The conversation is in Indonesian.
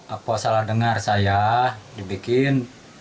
apa salah dengar saya dibikin